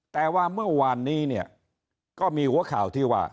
แต่ว่าเมื่อวานนี้เนี่ยก็มีหัวข่าวที่ว่า